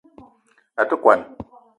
A te kwuan